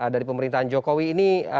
dari pemerintahan jokowi ini